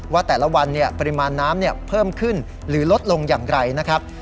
ว่าแต่ละวันปริมาณน้ำเพิ่มขึ้นหรือลดลงอย่างไรนะครับ